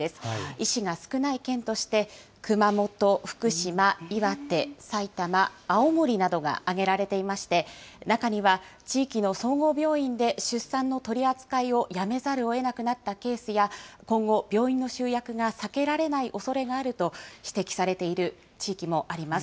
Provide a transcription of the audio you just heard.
医師が少ない県として、熊本、福島、岩手、埼玉、青森などが挙げられていまして、中には地域の総合病院で出産の取り扱いをやめざるをえなくなったケースや、今後、病院の集約が避けられないおそれがあると指摘されている地域もあります。